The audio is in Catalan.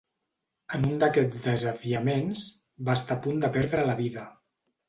En un d'aquests desafiaments, va estar a punt de perdre la vida.